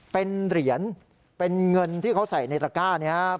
เป็นเหรียญเป็นเงินที่เขาใส่ในตระก้านี้ครับ